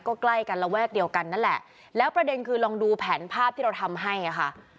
ก็ใกล้กันระแวกเดียวกันนั่นแหละแล้วประเด็นคือลองดูแผนภาพที่เราทำให้อ่ะค่ะ